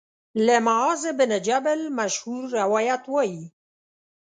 له معاذ بن جبل مشهور روایت وايي